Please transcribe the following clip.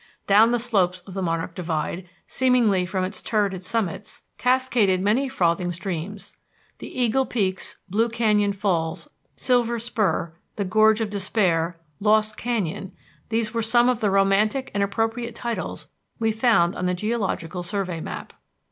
Down the slopes of the Monarch Divide, seemingly from its turreted summits, cascaded many frothing streams. The Eagle Peaks, Blue Canyon Falls, Silver Spur, the Gorge of Despair, Lost Canyon these were some of the romantic and appropriate titles we found on the Geological Survey map.